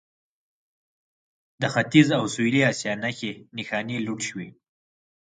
د ختیځ او سویلي اسیا نښې نښانې لوټ شوي.